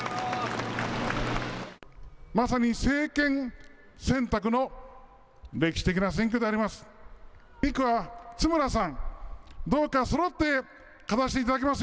まさに政権選択の歴史的な選挙であります。